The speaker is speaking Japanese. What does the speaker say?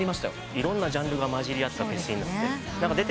いろんなジャンルが交じり合ったフェスになって。